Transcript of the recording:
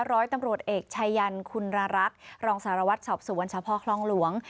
ร้อยตำรวจเอกชายันคุณรรลักรองสารวัดสอบสวรรค์คล่องหลวง